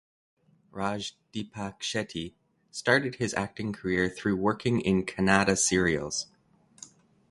Raj Deepak Shetty started his acting career through working in Kannada serials.